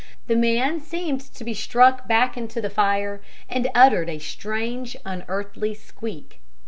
The man seemed to be struck back into the fire, and uttered a strange, unearthly squeak.